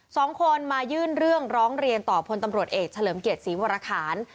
สองคนมายื่นเรื่องร้องเรียนต่อพลตำรวจเอกเฉลิมเกียรติศรีวรคาร